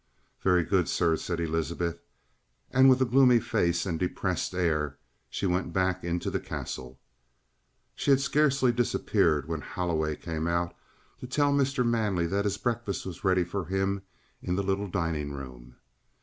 "Very good, sir," said Elizabeth, and with a gloomy face and depressed air she went back into the Castle. She had scarcely disappeared, when Holloway came out to tell Mr. Manley that his breakfast was ready for him in the little dining room.